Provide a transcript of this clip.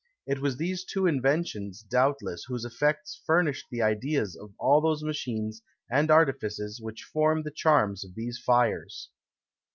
It was these two inventions, doubtless, whose effects furnished the ideas of all those machines and artifices which form the charms of these fires.